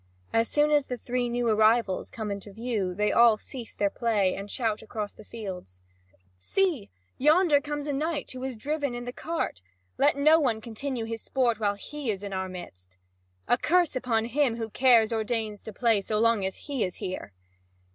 As soon as the three new arrivals come into view, they all cease their play and shout across the fields: "See, yonder comes the knight who was driven in the cart! Let no one continue his sport while he is in our midst. A curse upon him who cares or deigns to play so long as he is here!"